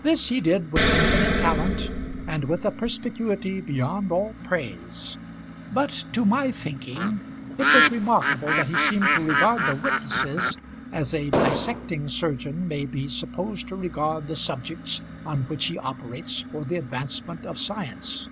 This he did with infinite talent and with a perspicuity beyond all praise. But to my thinking it was remarkable that he seemed to regard the witnesses as a dissecting surgeon may be supposed to regard the subjects on which he operates for the advancement of science.